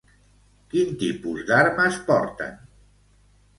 Quin tipus d'armes porten?